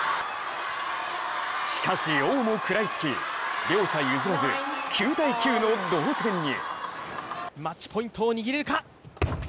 しかし王も食らいつき両者譲らず９−９の同点に。